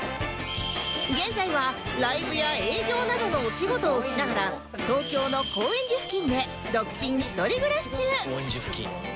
現在はライブや営業などのお仕事をしながら東京の高円寺付近で独身一人暮らし中